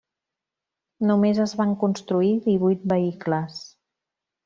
Només es van construir divuit vehicles.